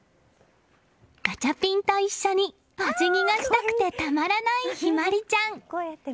ガチャピンと一緒にお辞儀がしたくてたまらない柊葵ちゃん。